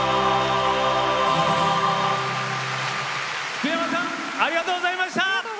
福山さんありがとうございました。